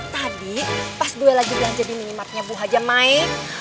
tadi pas duel lagi belanja di minimarknya bu haja main